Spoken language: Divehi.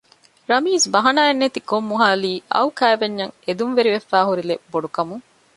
ރަމީޒު ބަހަނާއެއް ނެތި ގޮށް މޮހައިލީ އައު ކައިވެންޏަށް އެދުންވެރިވެފައި ހުރިލެއް ބޮޑުކަމުން